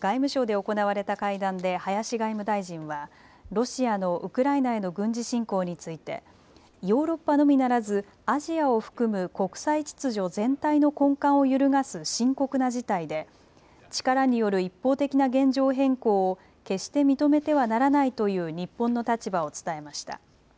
外務省で行われた会談で林外務大臣はロシアのウクライナへの軍事侵攻についてヨーロッパのみならずアジアを含む国際秩序全体の根幹を揺るがす深刻な事態で力による一方的な現状変更を決して認めてはならないという日本の立場を伝えました。